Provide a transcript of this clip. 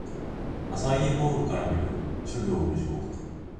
アサイーボウルから見る！諸行無常